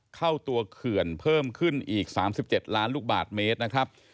เข้าตัวเขื่อนเพิ่มขึ้นอีก๓๗ล้านลูกบาทเมตรนะครับ